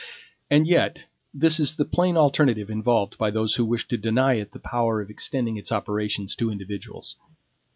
And yet this is the plain alternative involved by those who wish to deny it the power of extending its operations to individuals.